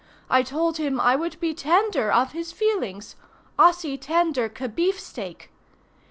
I told him I would be tender of his feelings—ossi tender que beefsteak.